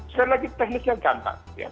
sekali lagi teknisnya gampang